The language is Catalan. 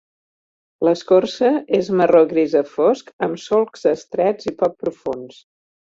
L'escorça és marró grisa fosc amb solcs estrets i poc profunds.